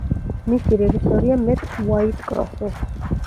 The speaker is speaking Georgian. მისი რეჟისორია მეტ უაიტკროსი.